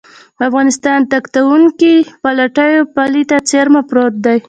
افغانستان تکتونیکي پلیټو پولې ته څېرمه پروت دی